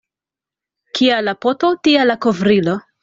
Kia la poto, tia la kovrilo.